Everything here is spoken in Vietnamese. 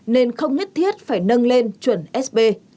nên không nhất thiết phải nâng lên chuẩn sp